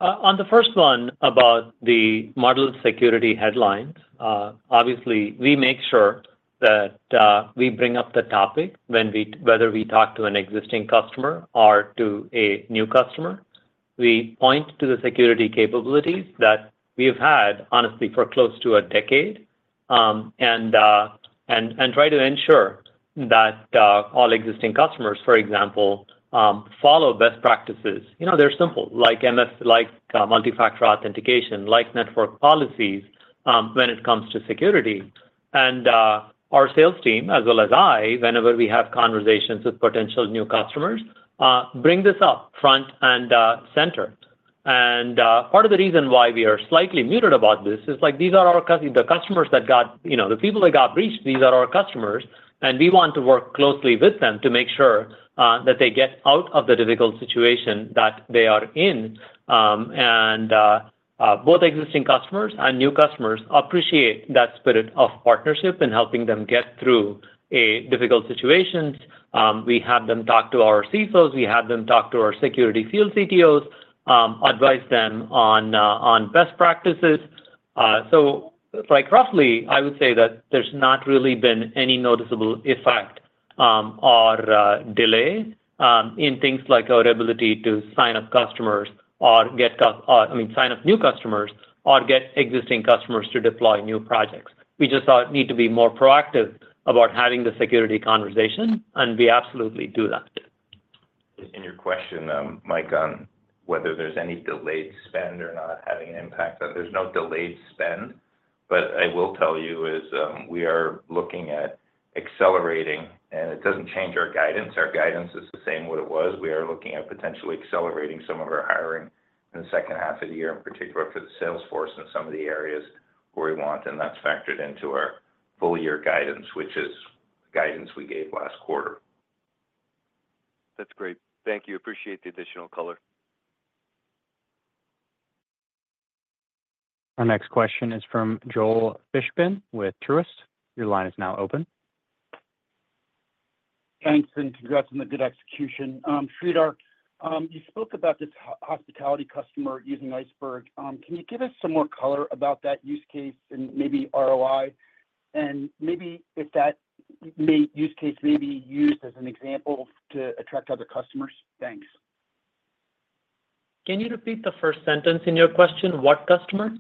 On the first one about the model security headlines, obviously, we make sure that we bring up the topic when we talk to an existing customer or to a new customer. We point to the security capabilities that we have had, honestly, for close to a decade, and try to ensure that all existing customers, for example, follow best practices. You know, they're simple, like MFA, like multi-factor authentication, like network policies, when it comes to security. And our sales team, as well as I, whenever we have conversations with potential new customers, bring this up front and center. And part of the reason why we are slightly muted about this is, like, these are our customers that got... You know, the people that got breached, these are our customers, and we want to work closely with them to make sure that they get out of the difficult situation that they are in. And both existing customers and new customers appreciate that spirit of partnership in helping them get through a difficult situation. We have them talk to our CSOs, we have them talk to our security field CTOs, advise them on best practices. So, like, roughly, I would say that there's not really been any noticeable effect or delay in things like our ability to sign up customers or, I mean, sign up new customers or get existing customers to deploy new projects. We just need to be more proactive about having the security conversation, and we absolutely do that. Your question, Mike, on whether there's any delayed spend or not having an impact. That there's no delayed spend. I will tell you is, we are looking at accelerating, and it doesn't change our guidance. Our guidance is the same what it was. We are looking at potentially accelerating some of our hiring in the second half of the year, in particular for the sales force in some of the areas where we want, and that's factored into our full year guidance, which is the guidance we gave last quarter. That's great. Thank you. Appreciate the additional color. Our next question is from Joel Fishbein with Truist. Your line is now open. Thanks, and congrats on the good execution. Sridhar, you spoke about this hospitality customer using Iceberg. Can you give us some more color about that use case and maybe ROI, and maybe if that use case may be used as an example to attract other customers? Thanks. Can you repeat the first sentence in your question? What customer?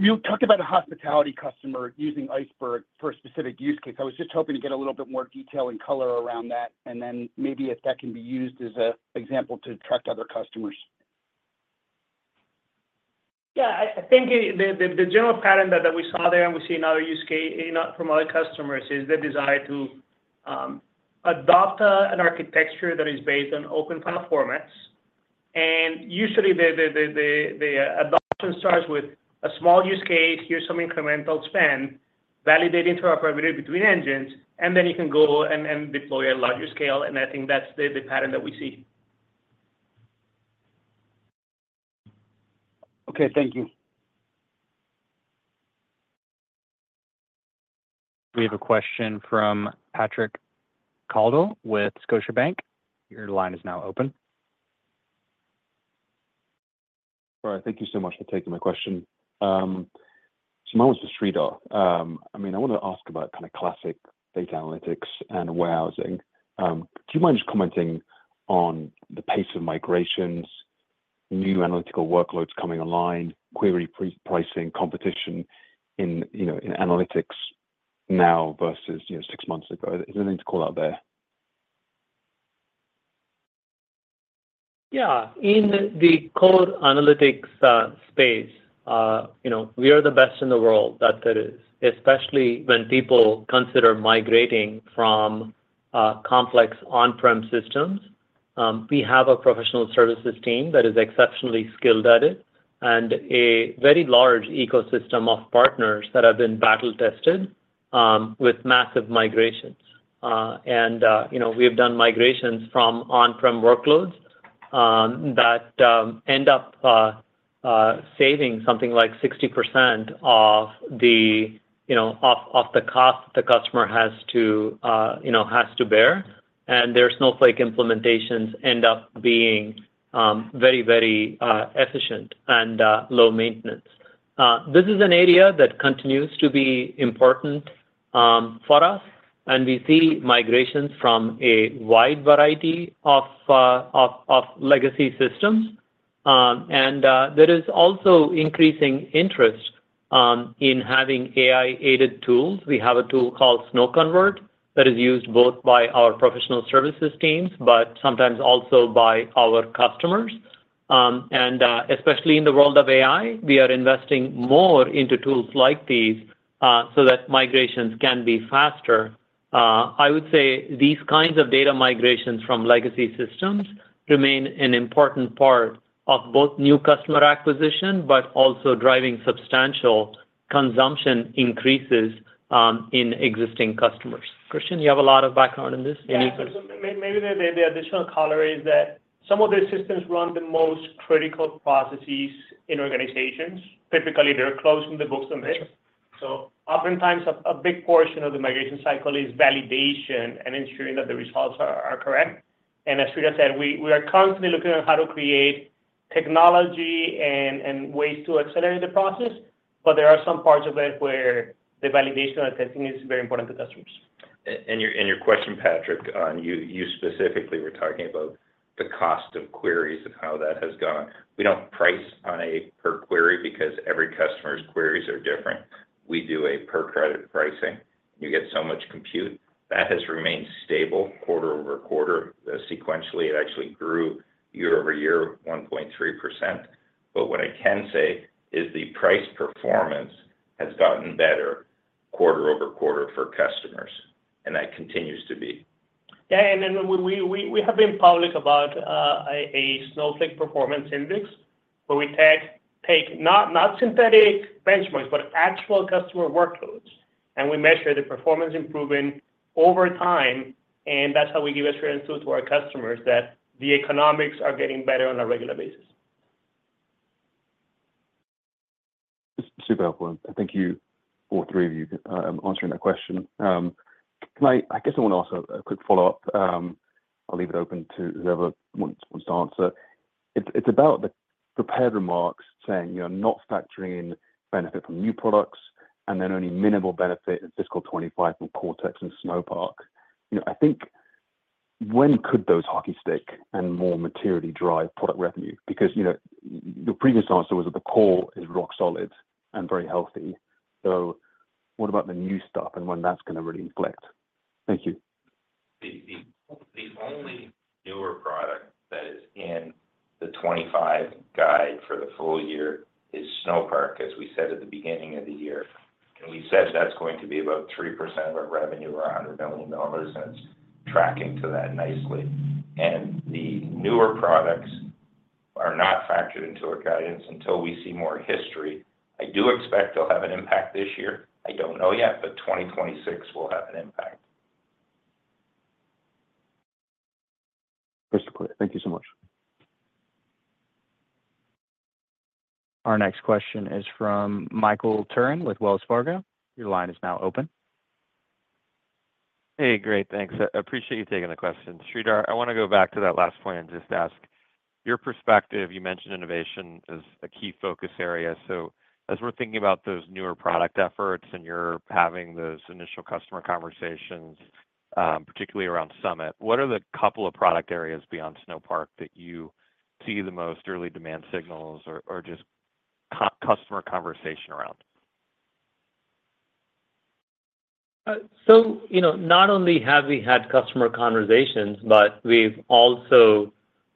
You talked about a hospitality customer using Iceberg for a specific use case. I was just hoping to get a little bit more detail and color around that, and then maybe if that can be used as an example to attract other customers. Yeah, I think the general pattern that we saw there and we see in other use case, you know, from other customers, is the desire to adopt an architecture that is based on open file formats. Usually, the adoption starts with a small use case. Here's some incremental spend, validating interoperability between engines, and then you can go and deploy at larger scale, and I think that's the pattern that we see. Okay, thank you. We have a question from Patrick Colville with Scotiabank. Your line is now open. All right, thank you so much for taking my question. So mine was for Sridhar. I mean, I want to ask about kind of classic data analytics and warehousing. Do you mind just commenting on the pace of migrations, new analytical workloads coming online, query pre-pricing, competition in, you know, in analytics now versus, you know, six months ago? Is there anything to call out there? Yeah. In the core analytics space, you know, we are the best in the world that there is, especially when people consider migrating from complex on-prem systems. We have a professional services team that is exceptionally skilled at it and a very large ecosystem of partners that have been battle-tested with massive migrations. And, you know, we have done migrations from on-prem workloads that end up saving something like 60% of the, you know, of the cost the customer has to, you know, has to bear, and their Snowflake implementations end up being very, very efficient and low maintenance. This is an area that continues to be important for us, and we see migrations from a wide variety of legacy systems. There is also increasing interest in having AI-aided tools. We have a tool called SnowConvert that is used both by our professional services teams, but sometimes also by our customers. Especially in the world of AI, we are investing more into tools like these so that migrations can be faster. I would say these kinds of data migrations from legacy systems remain an important part of both new customer acquisition, but also driving substantial consumption increases in existing customers. Christian, you have a lot of background in this? Any- Yeah, maybe the additional color is that some of these systems run the most critical processes in organizations. Typically, they're closing the books on this. Sure. Oftentimes, a big portion of the migration cycle is validation and ensuring that the results are correct. As Sridhar said, we are constantly looking at how to create technology and ways to accelerate the process, but there are some parts of it where the validation I think is very important to customers. In your question, Patrick, you specifically were talking about the cost of queries and how that has gone. We don't price on a per query because every customer's queries are different. We do a per credit pricing. You get so much compute. That has remained stable quarter-over-quarter. Sequentially, it actually grew year-over-year, 1.3%. But what I can say is the price performance has gotten better quarter-over-quarter for customers, and that continues to be. Yeah, and then we have been public about a Snowflake Performance Index, where we take not synthetic benchmarks, but actual customer workloads, and we measure the performance improvement over time, and that's how we give assurance to our customers that the economics are getting better on a regular basis. Super helpful, and thank you, all three of you, answering that question. Can I—I guess I want to ask a quick follow-up. I'll leave it open to whoever wants to answer. It's about the prepared remarks saying you're not factoring in benefit from new products, and then only minimal benefit in fiscal 2025 from Cortex and Snowpark. You know, I think when could those hockey stick and more materially drive product revenue? Because, you know, your previous answer was that the core is rock solid and very healthy. So what about the new stuff and when that's going to really inflect? Thank you. The only newer product that is in the 2025 guidance for the full year is Snowpark, as we said at the beginning of the year. We said that's going to be about 3% of our revenue, or $100 million, and it's tracking to that nicely. The newer products are not factored into our guidance until we see more history. I do expect they'll have an impact this year. I don't know yet, but 2026 will have an impact. Crystal clear. Thank you so much. Our next question is from Michael Turrin with Wells Fargo. Your line is now open. Hey, great, thanks. I appreciate you taking the question. Sridhar, I want to go back to that last point and just ask your perspective. You mentioned innovation as a key focus area. So as we're thinking about those newer product efforts and you're having those initial customer conversations, particularly around Summit, what are the couple of product areas beyond Snowpark that you see the most early demand signals or just customer conversation around? So, you know, not only have we had customer conversations, but we've also,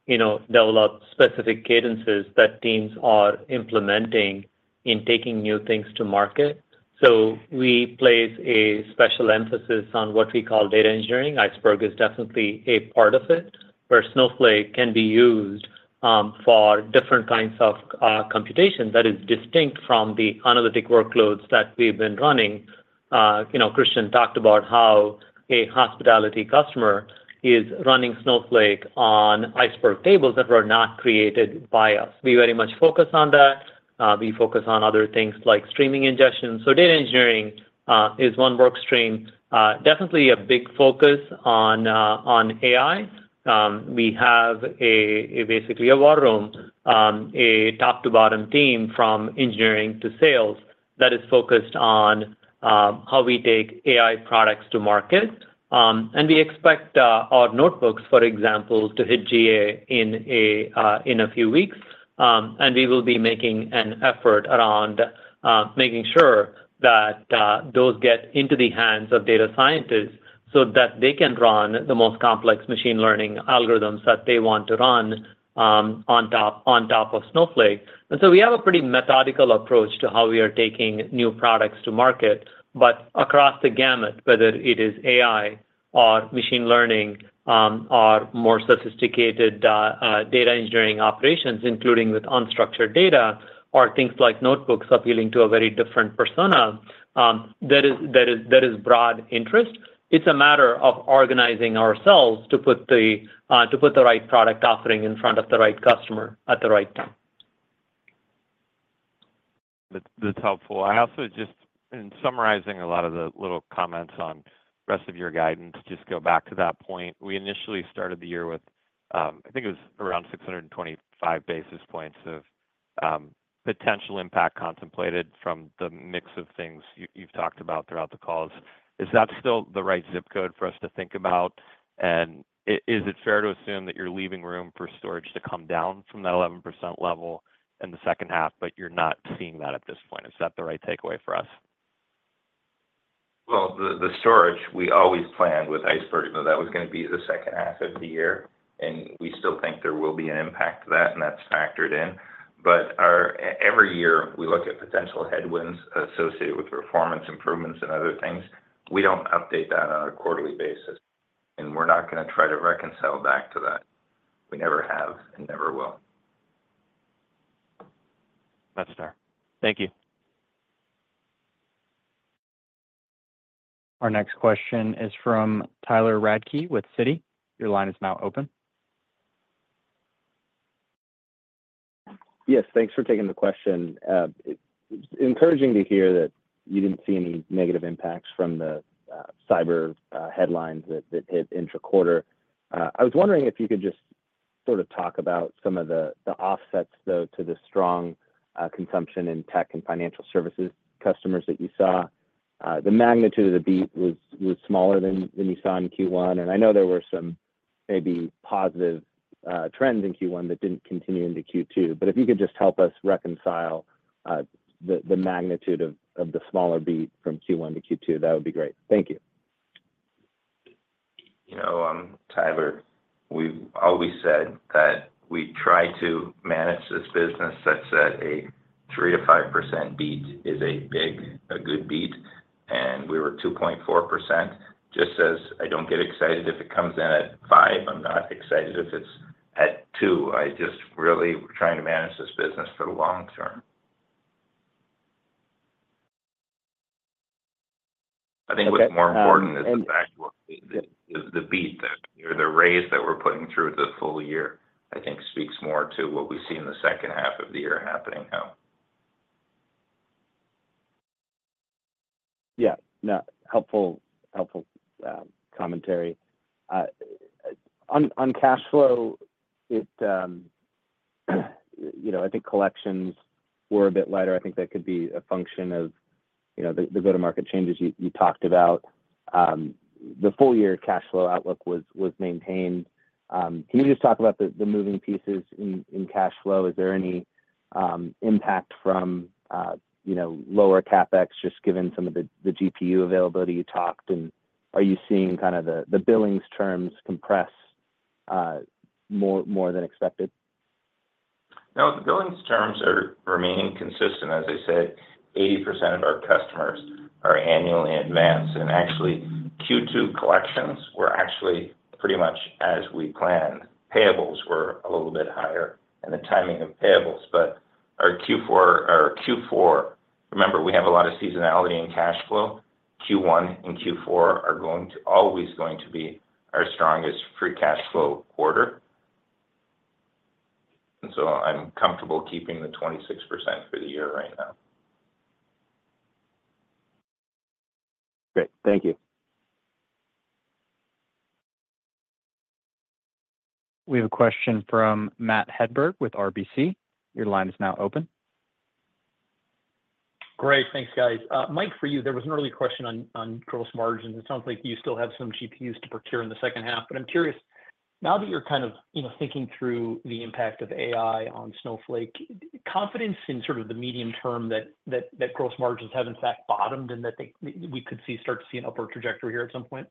you know, developed specific cadences that teams are implementing in taking new things to market. So we place a special emphasis on what we call data engineering. Iceberg is definitely a part of it, where Snowflake can be used for different kinds of computation that is distinct from the analytic workloads that we've been running. You know, Christian talked about how a hospitality customer is running Snowflake on Iceberg tables that were not created by us. We very much focus on that. We focus on other things like streaming ingestion. So data engineering is one work stream. Definitely a big focus on AI. We have basically a war room, a top-to-bottom team, from engineering to sales, that is focused on how we take AI products to market. And we expect our notebooks, for example, to hit GA in a few weeks, and we will be making an effort around making sure that those get into the hands of data scientists, so that they can run the most complex machine learning algorithms that they want to run on top of Snowflake. And so we have a pretty methodical approach to how we are taking new products to market. But across the gamut, whether it is AI or machine learning, or more sophisticated data engineering operations, including with unstructured data or things like notebooks appealing to a very different persona, there is broad interest. It's a matter of organizing ourselves to put the right product offering in front of the right customer at the right time. That's helpful. I also just, in summarizing a lot of the little comments on rest of your guidance, just go back to that point. We initially started the year with, I think it was around 625 basis points of potential impact contemplated from the mix of things you've talked about throughout the calls. Is that still the right zip code for us to think about? And is it fair to assume that you're leaving room for storage to come down from that 11% level in the second half, but you're not seeing that at this point? Is that the right takeaway for us? The storage, we always planned with Iceberg, that was going to be the second half of the year, and we still think there will be an impact to that, and that's factored in. But every year, we look at potential headwinds associated with performance improvements and other things. We don't update that on a quarterly basis, and we're not gonna try to reconcile back to that. We never have, and never will. That's fair. Thank you. Our next question is from Tyler Radke with Citi. Your line is now open. Yes, thanks for taking the question. It's encouraging to hear that you didn't see any negative impacts from the cyber headlines that hit intra-quarter. I was wondering if you could just sort of talk about some of the offsets, though, to the strong consumption in tech and financial services customers that you saw. The magnitude of the beat was smaller than you saw in Q1, and I know there were some maybe positive trends in Q1 that didn't continue into Q2, but if you could just help us reconcile the magnitude of the smaller beat from Q1 to Q2, that would be great. Thank you. You know, Tyler, we've always said that we try to manage this business such that a 3%-5% beat is a big, a good beat, and we were 2.4%. Just as I don't get excited if it comes in at five, I'm not excited if it's at two. I just really trying to manage this business for the long term. I think what's more important is the fact that the beat, that or the raise that we're putting through the full year, I think speaks more to what we see in the second half of the year happening now. Yeah. No, helpful commentary. On cash flow, you know, I think collections were a bit lighter. I think that could be a function of, you know, the go-to-market changes you talked about. The full year cash flow outlook was maintained. Can you just talk about the moving pieces in cash flow? Is there any impact from, you know, lower CapEx, just given some of the GPU availability you talked? And are you seeing kind of the billings terms compress more than expected? No, the billings terms are remaining consistent. As I said, 80% of our customers are annually advanced, and actually, Q2 collections were actually pretty much as we planned. Payables were a little bit higher, and the timing of payables. But our Q4. Our Q4, remember, we have a lot of seasonality in cash flow. Q1 and Q4 are always going to be our strongest free cash flow quarter. And so I'm comfortable keeping the 26% for the year right now. Great. Thank you. We have a question from Matt Hedberg with RBC. Your line is now open. Great. Thanks, guys. Mike, for you, there was an early question on gross margins. It sounds like you still have some GPUs to procure in the second half. But I'm curious, now that you're kind of, you know, thinking through the impact of AI on Snowflake, confidence in sort of the medium term that gross margins have in fact bottomed, and that we could see start to see an upward trajectory here at some point?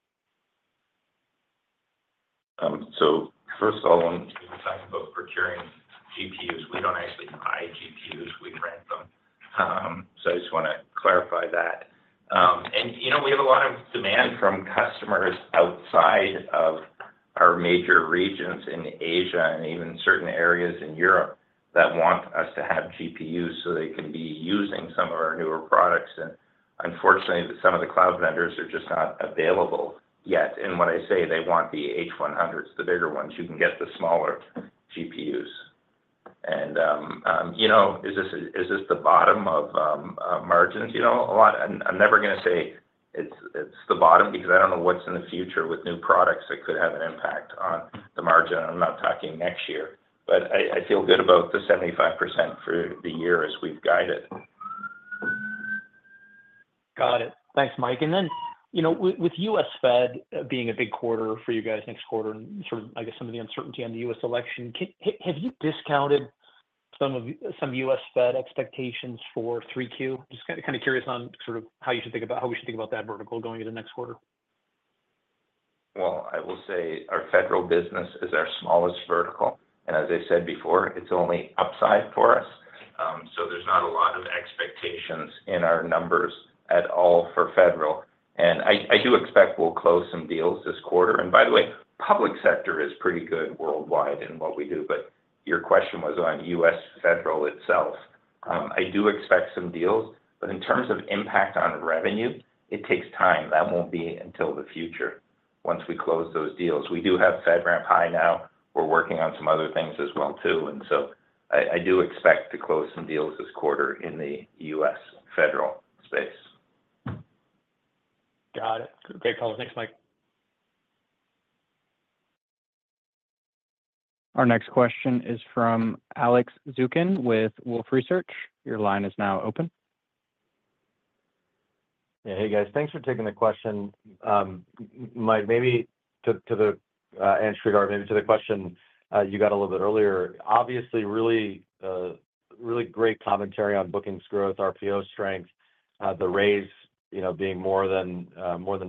So first of all, when we talk about procuring GPUs, we don't actually buy GPUs, we rent them. So I just wanna clarify that. And, you know, we have a lot of demand from customers outside of our major regions in Asia and even certain areas in Europe that want us to have GPUs, so they can be using some of our newer products. And unfortunately, some of the cloud vendors are just not available yet. And when I say they want the H100, the bigger ones, you can get the smaller GPUs. And, you know, is this the bottom of margins? You know, a lot. I'm never gonna say it's the bottom because I don't know what's in the future with new products that could have an impact on the margin. I'm not talking next year, but I feel good about the 75% for the year as we've guided. Got it. Thanks, Mike. And then, you know, with U.S. Fed being a big quarter for you guys next quarter, and sort of, I guess, some of the uncertainty on the U.S. election, have you discounted some of U.S. Fed expectations for 3Q? Just kinda curious on sort of how you should think about, how we should think about that vertical going into the next quarter. I will say our federal business is our smallest vertical, and as I said before, it's only upside for us, so there's not a lot of expectations in our numbers at all for federal, and I do expect we'll close some deals this quarter. By the way, public sector is pretty good worldwide in what we do, but your question was on U.S. federal itself. I do expect some deals, but in terms of impact on revenue, it takes time. That won't be until the future once we close those deals. We do have FedRAMP High now. We're working on some other things as well, too, and so I do expect to close some deals this quarter in the U.S. federal space. Got it. Great call. Thanks, Mike. Our next question is from Alex Zukin with Wolfe Research. Your line is now open. Yeah. Hey, guys. Thanks for taking the question. And Sridhar, maybe to the question you got a little bit earlier. Obviously, really great commentary on bookings growth, RPO strength. The raise, you know, being more than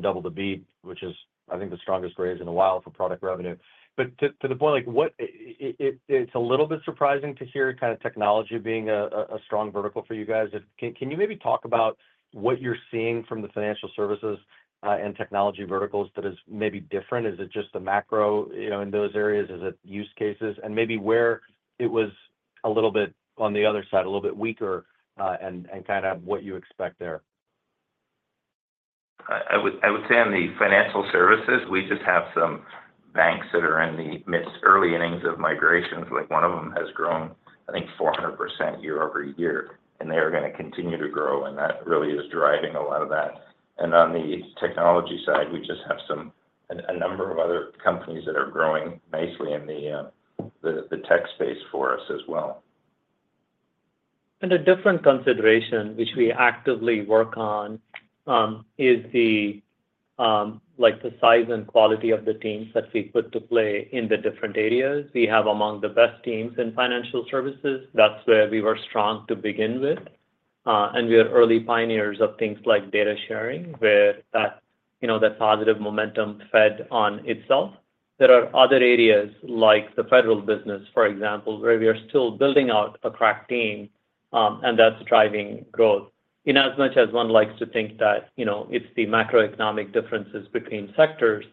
double the beat, which is, I think, the strongest raise in a while for product revenue. But to the point, like, what it, it's a little bit surprising to hear kind of technology being a strong vertical for you guys. Can you maybe talk about what you're seeing from the financial services and technology verticals that is maybe different? Is it just the macro, you know, in those areas? Is it use cases? And maybe where it was a little bit on the other side, a little bit weaker, and kind of what you expect there. I would say on the financial services, we just have some banks that are in the mid early innings of migrations. Like, one of them has grown, I think, 400% year-over-year, and they are gonna continue to grow, and that really is driving a lot of that. On the technology side, we just have some a number of other companies that are growing nicely in the tech space for us as well. A different consideration, which we actively work on, is, like, the size and quality of the teams that we put to play in the different areas. We have among the best teams in financial services. That's where we were strong to begin with. And we are early pioneers of things like data sharing, where that, you know, the positive momentum fed on itself. There are other areas, like the federal business, for example, where we are still building out a crack team, and that's driving growth. You know, as much as one likes to think that, you know, it's the macroeconomic differences between sectors,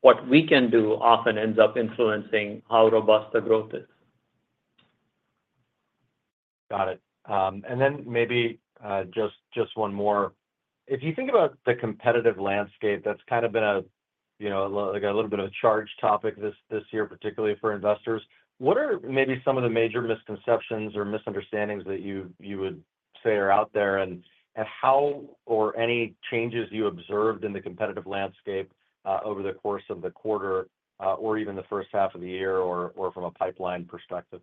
what we can do often ends up influencing how robust the growth is. Got it. And then maybe just one more. If you think about the competitive landscape, that's kind of been a you know like a little bit of a charged topic this year, particularly for investors, what are maybe some of the major misconceptions or misunderstandings that you would say are out there, and how or any changes you observed in the competitive landscape over the course of the quarter or even the first half of the year or from a pipeline perspective?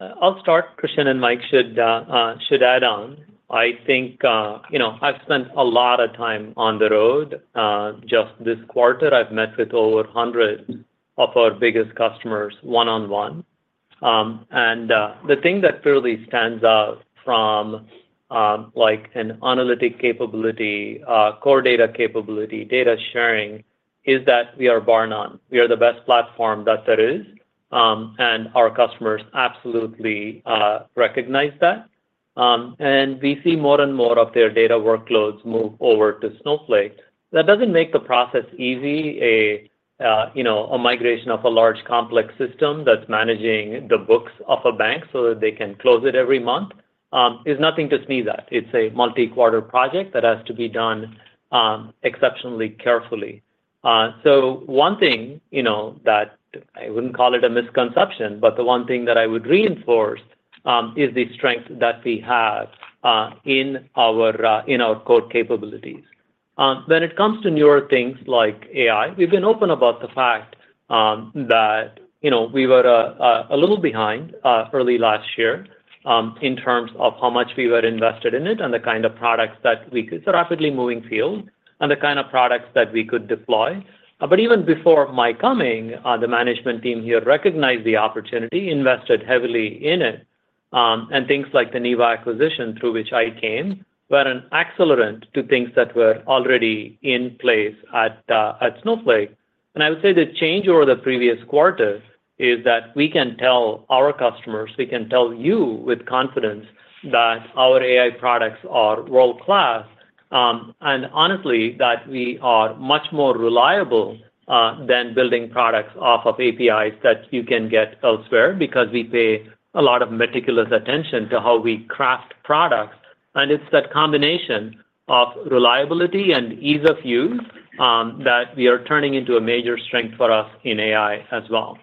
I'll start, Christian and Mike should add on. I think, you know, I've spent a lot of time on the road, just this quarter. I've met with over a hundred of our biggest customers, one-on-one. The thing that clearly stands out from, like an analytic capability, core data capability, data sharing, is that we are bar none. We are the best platform that there is, and our customers absolutely recognize that. We see more and more of their data workloads move over to Snowflake. That doesn't make the process easy, a migration of a large, complex system that's managing the books of a bank so that they can close it every month, is nothing to sneeze at. It's a multi-quarter project that has to be done, exceptionally carefully. So one thing, you know, that I wouldn't call it a misconception, but the one thing that I would reinforce is the strength that we have in our core capabilities. When it comes to newer things like AI, we've been open about the fact that, you know, we were a little behind early last year in terms of how much we were invested in it. It's a rapidly moving field, and the kind of products that we could deploy. But even before my coming, the management team here recognized the opportunity, invested heavily in it, and things like the Neeva acquisition, through which I came, were an accelerant to things that were already in place at Snowflake. And I would say the change over the previous quarters is that we can tell our customers, we can tell you with confidence that our AI products are world-class, and honestly, that we are much more reliable than building products off of APIs that you can get elsewhere, because we pay a lot of meticulous attention to how we craft products. And it's that combination of reliability and ease of use that we are turning into a major strength for us in AI as well.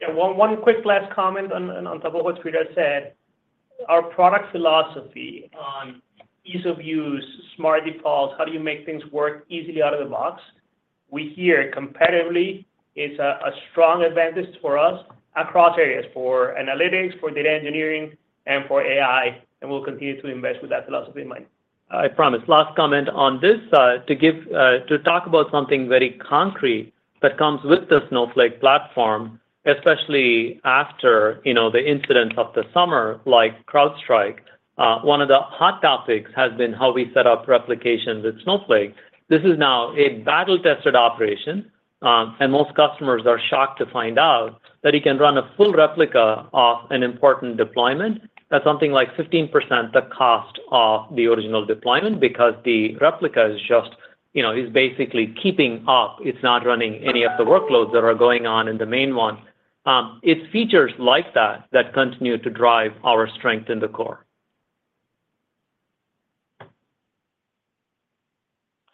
Yeah, one quick last comment on top of what Sridhar said. Our product philosophy on ease of use, smart defaults, how do you make things work easily out of the box? We hear competitively, it's a strong advantage for us across areas, for analytics, for data engineering, and for AI, and we'll continue to invest with that philosophy in mind. I promise, last comment on this side, to give, to talk about something very concrete that comes with the Snowflake platform, especially after, you know, the incidents of the summer, like CrowdStrike, one of the hot topics has been how we set up replications with Snowflake. This is now a battle-tested operation, and most customers are shocked to find out that you can run a full replica of an important deployment at something like 15% the cost of the original deployment, because the replica is just, you know, is basically keeping up. It's not running any of the workloads that are going on in the main one. It's features like that that continue to drive our strength in the core.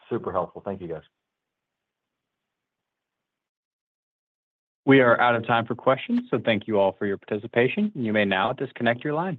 Super helpful. Thank you, guys. We are out of time for questions, so thank you all for your participation. You may now disconnect your lines.